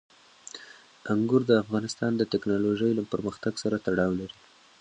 انګور د افغانستان د تکنالوژۍ له پرمختګ سره تړاو لري.